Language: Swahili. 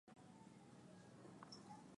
Watoto wanaruka